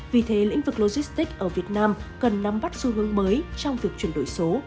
vì thế lĩnh vực logistics ở việt nam cần nắm bắt xu hướng mới trong việc chuyển đổi số